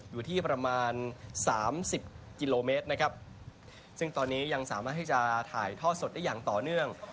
อยู่ที่ประมาณสามสิบกิโลเมตรนะครับซึ่งตอนนี้ยังสามารถที่จะถ่ายทอดสดได้อย่างต่อเนื่อง